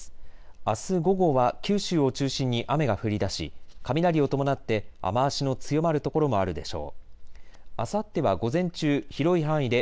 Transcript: あす午後は九州を中心に雨が降りだし雷を伴って雨足の強まる所もあるでしょう。